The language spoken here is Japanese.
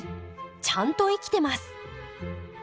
ちゃんと生きてます。